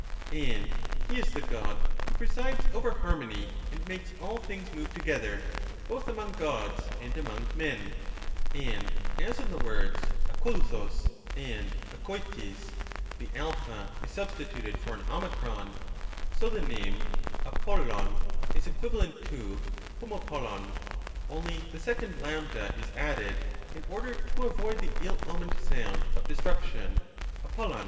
And he is the God who presides over harmony, and makes Cratyius. all things move together, both among Gods and among men. Socrates, And as in the words aKoXovBoq and aKoiriq the a is substituted for an o, so the name 'AttoaAwv is equivalent to oiiottoXCjv ; only the second a is added in order to avoid the ill omened sound of destruction {dnoXdv).